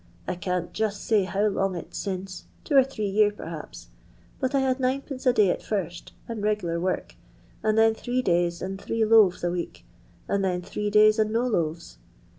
I can't just say how' long it's since, two or three year perhaps, but I had 9(/. a day at first, and reglar work, and then three days and three loaves a week, and then three days and no loaves.